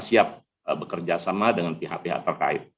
siap bekerja sama dengan pihak pihak terkait